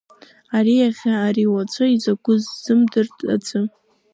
Ари иахьа, ари уаҵәы, изакәыз изымдырт аӡәы.